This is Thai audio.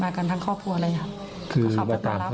กันทั้งครอบครัวเลยค่ะ